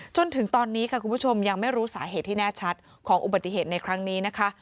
จนถึงตอนนี้ค่ะคุณผู้ชมยังไม่รู้สาเหตุที่แน่ชัดของอุบัติเหตุในครั้งนี้นะคะ